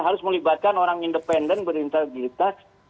harus melibatkan orang independen berintegritas